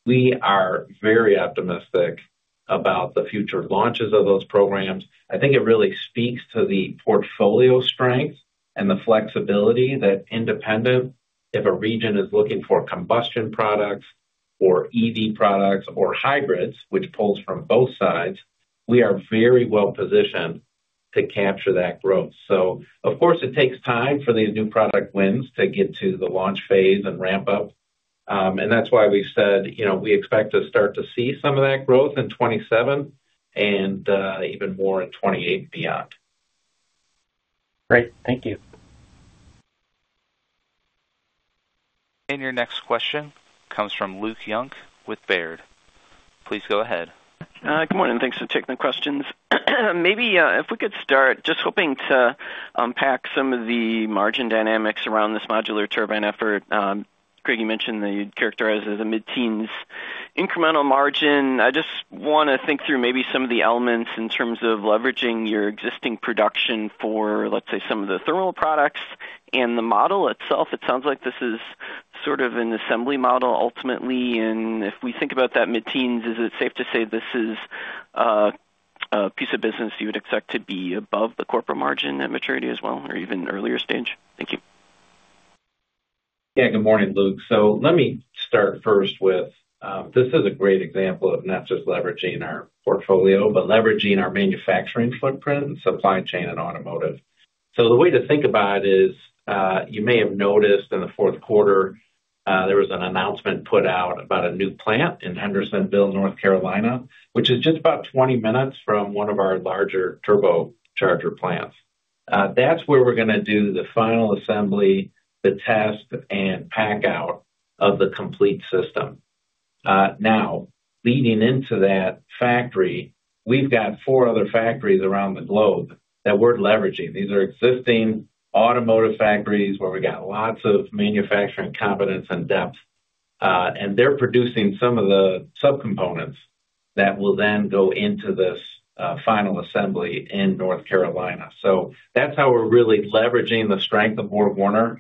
we are very optimistic about the future launches of those programs. I think it really speaks to the portfolio strength and the flexibility that independent, if a region is looking for combustion products or EV products or hybrids, which pulls from both sides, we are very well positioned to capture that growth. So of course, it takes time for these new product wins to get to the launch phase and ramp up. And that's why we've said we expect to start to see some of that growth in 2027 and even more in 2028 and beyond. Great. Thank you. And your next question comes from Luke Junk with Baird. Please go ahead. Good morning. Thanks for taking the questions. Maybe if we could start just hoping to unpack some of the margin dynamics around this modular turbine effort. Craig, you mentioned that you'd characterize it as a mid-teens incremental margin. I just want to think through maybe some of the elements in terms of leveraging your existing production for, let's say, some of the thermal products. And the model itself, it sounds like this is sort of an assembly model ultimately. And if we think about that mid-teens, is it safe to say this is a piece of business you would expect to be above the corporate margin at maturity as well or even earlier stage? Thank you. Yeah. Good morning, Luke. So let me start first with this: this is a great example of not just leveraging our portfolio, but leveraging our manufacturing footprint and supply chain and automotive. The way to think about it is you may have noticed in the fourth quarter, there was an announcement put out about a new plant in Hendersonville, North Carolina, which is just about 20 minutes from one of our larger turbocharger plants. That's where we're going to do the final assembly, the test, and packout of the complete system. Now, leading into that factory, we've got four other factories around the globe that we're leveraging. These are existing automotive factories where we've got lots of manufacturing competence and depth. They're producing some of the subcomponents that will then go into this final assembly in North Carolina. That's how we're really leveraging the strength of BorgWarner.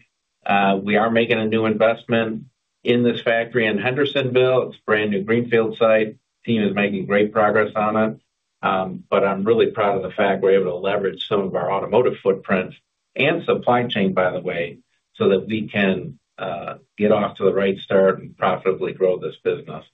We are making a new investment in this factory in Hendersonville. It's a brand new greenfield site. The team is making great progress on it. But I'm really proud of the fact we're able to leverage some of our automotive footprint and supply chain, by the way, so that we can get off to the right start and profitably grow this business.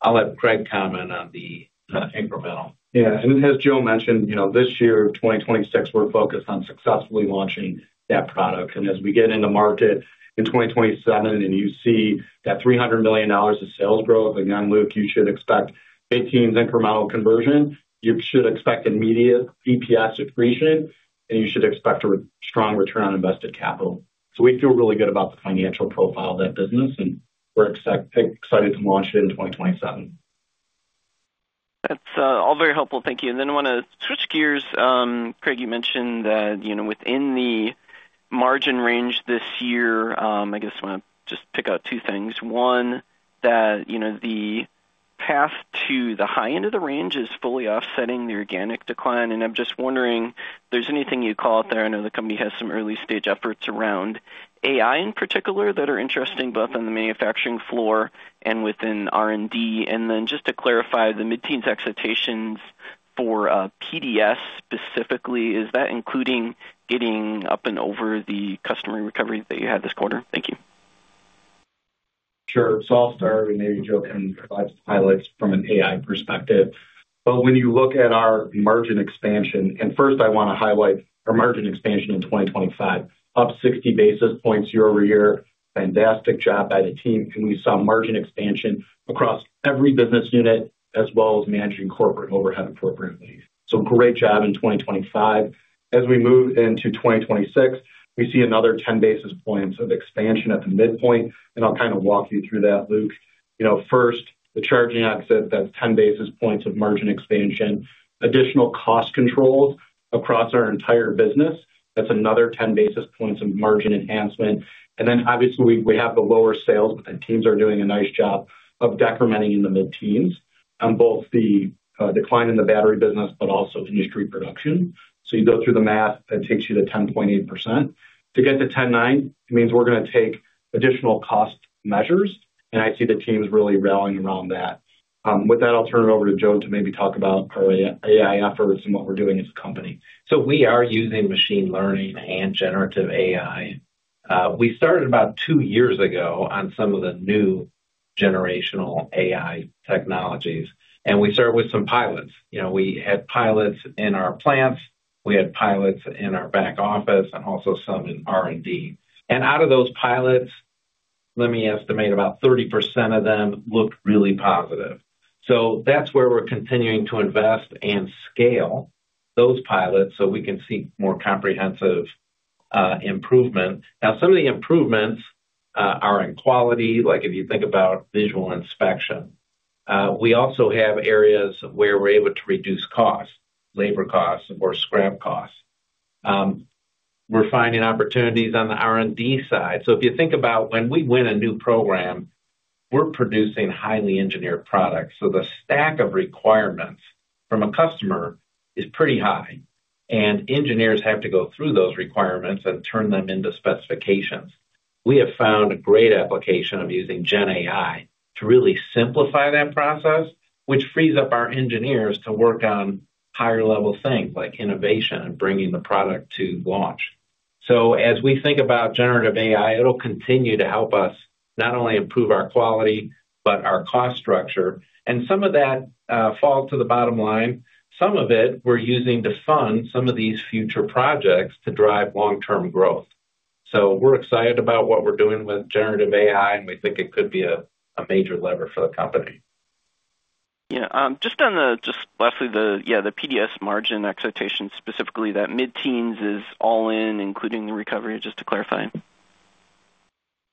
I'll have Craig comment on the incremental. Yeah. And as Joe mentioned, this year, 2026, we're focused on successfully launching that product. And as we get into market in 2027 and you see that $300 million of sales growth, again, Luke, you should expect mid-teens incremental conversion. You should expect immediate EPS accretion, and you should expect a strong return on invested capital. So we feel really good about the financial profile of that business, and we're excited to launch it in 2027. That's all very helpful. Thank you. And then I want to switch gears. Craig, you mentioned that within the margin range this year, I guess I want to just pick out two things. One, that the path to the high end of the range is fully offsetting the organic decline. And I'm just wondering, if there's anything you'd call out there, I know the company has some early-stage efforts around AI in particular that are interesting both on the manufacturing floor and within R&D. And then just to clarify, the mid-teens expectations for PDS specifically, is that including getting up and over the customer recovery that you had this quarter? Thank you. Sure. So I'll start, and maybe Joe can provide some highlights from an AI perspective. But when you look at our margin expansion and first, I want to highlight our margin expansion in 2025, up 60 basis points year-over-year. Fantastic job by the team. We saw margin expansion across every business unit as well as managing corporate overhead appropriately. Great job in 2025. As we move into 2026, we see another 10 basis points of expansion at the midpoint. I'll kind of walk you through that, Luke. First, the charging exit. That's 10 basis points of margin expansion. Additional cost controls across our entire business. That's another 10 basis points of margin enhancement. Then obviously, we have the lower sales, but the teams are doing a nice job of decrementing in the mid-teens on both the decline in the battery business but also industry production. You go through the math. That takes you to 10.8%. To get to 10.9, it means we're going to take additional cost measures. I see the teams really rallying around that. With that, I'll turn it over to Joe to maybe talk about our AI efforts and what we're doing as a company. So we are using Machine Learning and Generative AI. We started about two years ago on some of the new generative AI technologies. And we started with some pilots. We had pilots in our plants. We had pilots in our back office and also some in R&D. And out of those pilots, let me estimate about 30% of them looked really positive. So that's where we're continuing to invest and scale those pilots so we can see more comprehensive improvement. Now, some of the improvements are in quality, like if you think about visual inspection. We also have areas where we're able to reduce costs, labor costs, or scrap costs. We're finding opportunities on the R&D side. So if you think about when we win a new program, we're producing highly engineered products. So the stack of requirements from a customer is pretty high. And engineers have to go through those requirements and turn them into specifications. We have found a great application of using GenAI to really simplify that process, which frees up our engineers to work on higher-level things like innovation and bringing the product to launch. So as we think about generative AI, it'll continue to help us not only improve our quality but our cost structure. And some of that falls to the bottom line. Some of it, we're using to fund some of these future projects to drive long-term growth. So we're excited about what we're doing with generative AI, and we think it could be a major lever for the company. Yeah. Just lastly, yeah, the PDS margin expectations specifically, that mid-teens is all in, including the recovery, just to clarify?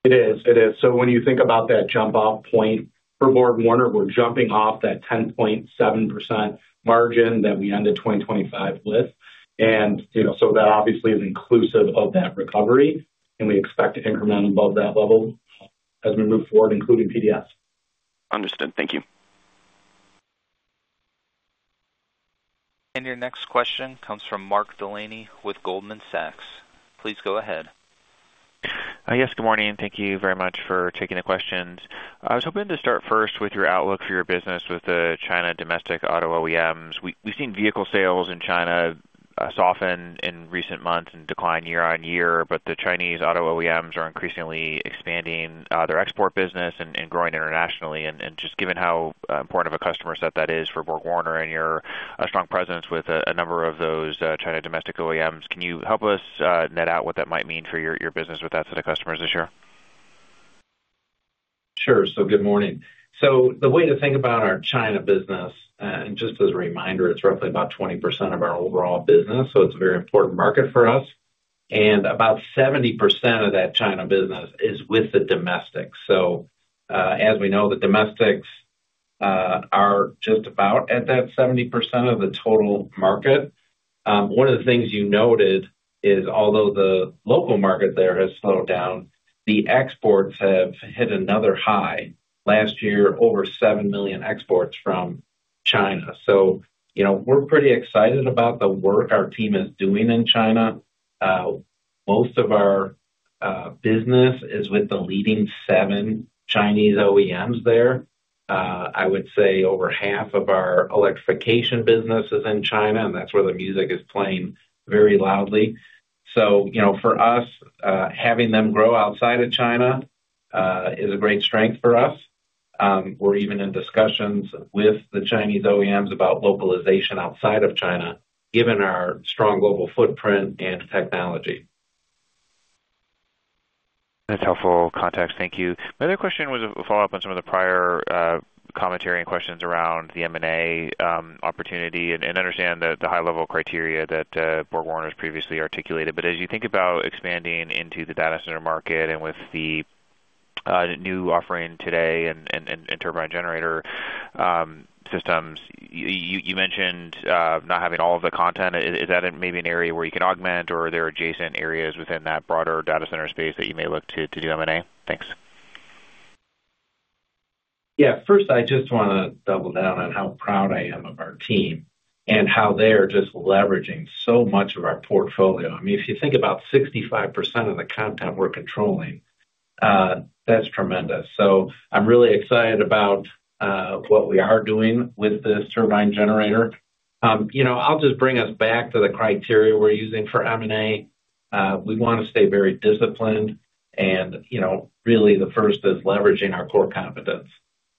It is. It is. So when you think about that jump-off point for BorgWarner, we're jumping off that 10.7% margin that we ended 2025 with. And so that obviously is inclusive of that recovery. And we expect to increment above that level as we move forward, including PDS. Understood. Thank you. And your next question comes from Mark Delaney with Goldman Sachs. Please go ahead. Yes. Good morning. Thank you very much for taking the questions. I was hoping to start first with your outlook for your business with the China domestic auto OEMs. We've seen vehicle sales in China soften in recent months and decline year-over-year, but the Chinese auto OEMs are increasingly expanding their export business and growing internationally. Just given how important of a customer set that is for BorgWarner and your strong presence with a number of those China domestic OEMs, can you help us net out what that might mean for your business with that set of customers this year? Sure. So good morning. So the way to think about our China business, and just as a reminder, it's roughly about 20% of our overall business. So it's a very important market for us. And about 70% of that China business is with the domestics. So as we know, the domestics are just about at that 70% of the total market. One of the things you noted is although the local market there has slowed down, the exports have hit another high. Last year, over 7 million exports from China. So we're pretty excited about the work our team is doing in China. Most of our business is with the leading seven Chinese OEMs there. I would say over half of our electrification business is in China, and that's where the music is playing very loudly. So for us, having them grow outside of China is a great strength for us. We're even in discussions with the Chinese OEMs about localization outside of China, given our strong global footprint and technology. That's helpful context. Thank you. My other question was a follow-up on some of the prior commentary and questions around the M&A opportunity and understand the high-level criteria that BorgWarner's previously articulated. But as you think about expanding into the data center market and with the new offering today and turbine generator systems, you mentioned not having all of the content. Is that maybe an area where you can augment, or are there adjacent areas within that broader data center space that you may look to do M&A? Thanks. Yeah. First, I just want to double down on how proud I am of our team and how they're just leveraging so much of our portfolio. I mean, if you think about 65% of the content we're controlling, that's tremendous. So I'm really excited about what we are doing with this turbine generator. I'll just bring us back to the criteria we're using for M&A. We want to stay very disciplined. Really, the first is leveraging our core competence.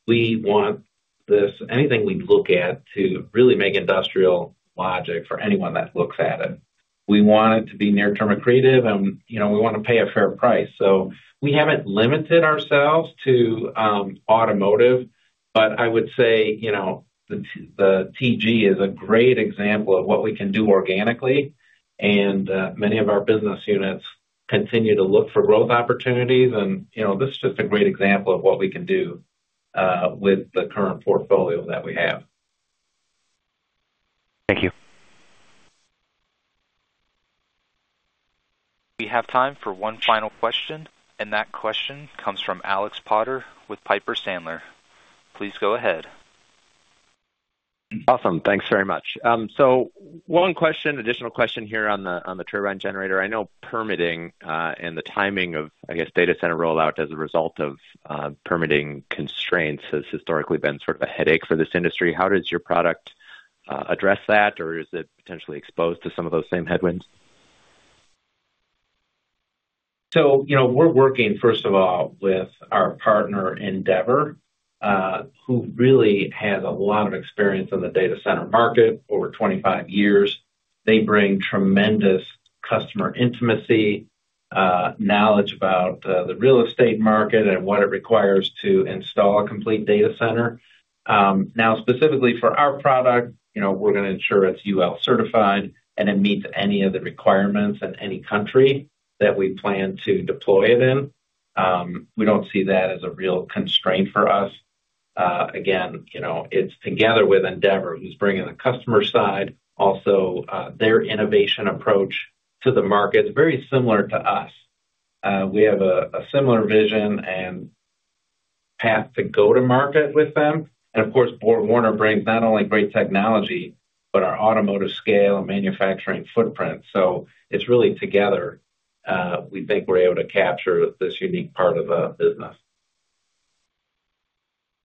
We want anything we look at to really make industrial logic for anyone that looks at it. We want it to be near-term and creative, and we want to pay a fair price. So we haven't limited ourselves to automotive, but I would say the TG is a great example of what we can do organically. And many of our business units continue to look for growth opportunities. And this is just a great example of what we can do with the current portfolio that we have. Thank you. We have time for one final question, and that question comes from Alex Potter with Piper Sandler. Please go ahead. Awesome. Thanks very much. So one additional question here on the turbine generator. I know permitting and the timing of, I guess, data center rollout as a result of permitting constraints has historically been sort of a headache for this industry. How does your product address that, or is it potentially exposed to some of those same headwinds? So we're working, first of all, with our partner, Endeavour, who really has a lot of experience in the data center market over 25 years. They bring tremendous customer intimacy, knowledge about the real estate market, and what it requires to install a complete data center. Now, specifically for our product, we're going to ensure it's UL-Certified and it meets any of the requirements in any country that we plan to deploy it in. We don't see that as a real constraint for us. Again, it's together with Endeavour, who's bringing the customer side, also their innovation approach to the market. It's very similar to us. We have a similar vision and path to go to market with them. And of course, BorgWarner brings not only great technology but our automotive scale and manufacturing footprint. So it's really together, we think, we're able to capture this unique part of the business.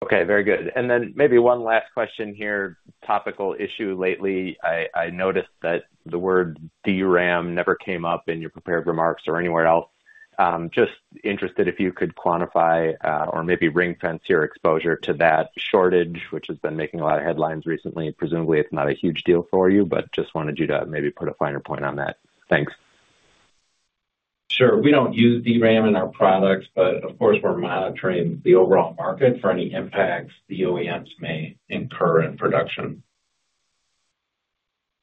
Okay. Very good. And then maybe one last question here, topical issue lately. I noticed that the word DRAM never came up in your prepared remarks or anywhere else. Just interested if you could quantify or maybe ring-fence your exposure to that shortage, which has been making a lot of headlines recently. Presumably, it's not a huge deal for you, but just wanted you to maybe put a finer point on that. Thanks. Sure. We don't use DRAM in our products, but of course, we're monitoring the overall market for any impacts the OEMs may incur in production.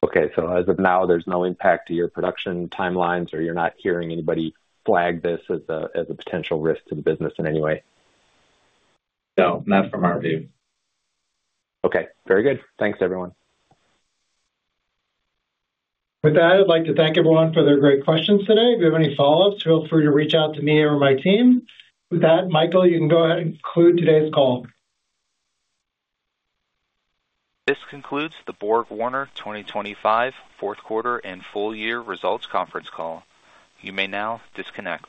Okay. So as of now, there's no impact to your production timelines, or you're not hearing anybody flag this as a potential risk to the business in any way? No. Not from our view. Okay. Very good. Thanks, everyone. With that, I'd like to thank everyone for their great questions today. If you have any follow-ups, feel free to reach out to me or my team. With that, Michael, you can go ahead and conclude today's call. This concludes the BorgWarner 2025 fourth-quarter and full-year results conference call. You may now disconnect.